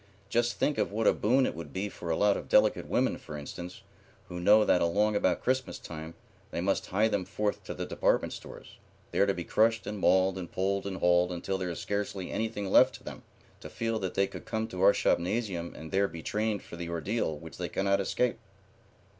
Just think of what a boon it would be for a lot of delicate women, for instance, who know that along about Christmas time they must hie them forth to the department stores, there to be crushed and mauled and pulled and hauled until there is scarcely anything left to them, to feel that they could come to our shopnasium and there be trained for the ordeal which they cannot escape."